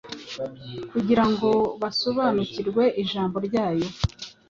kugira ngo basobanukirwe ijambo ryayo.